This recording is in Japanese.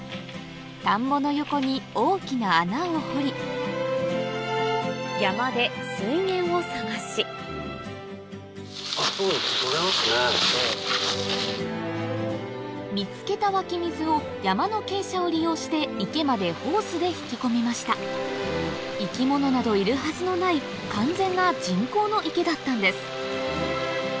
田んぼの横に大きな穴を掘り山で水源を探し見つけた湧き水を山の傾斜を利用して池までホースで引き込みました生き物などいるはずのない完全な人工の池だったんです